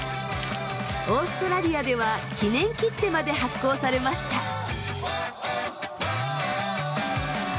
オーストラリアでは記念切手まで発行されました。